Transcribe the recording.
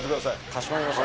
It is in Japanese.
かしこまりました。